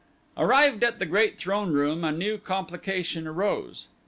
Arrived at the great throneroom a new complication arose.